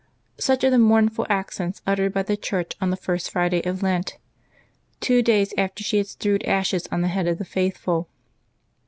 Such are the mournful accents uttered by the Church on the first Friday of Lent, two days after she has strewed ashes on the heads of the faithful.